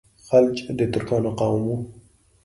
خلج د ترکانو قوم وو.